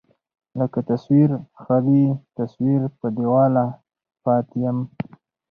لکه تصوير، خالي تصوير په دېواله پاتې يم